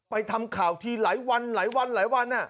ทำข่าวทีหลายวันหลายวันหลายวัน